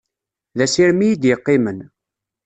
D asirem i yi-d yeqqimen.